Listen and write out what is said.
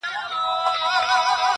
او د نیکه نکلونه نه ختمېدل٫